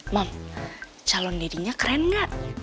mam calon daddinya keren nggak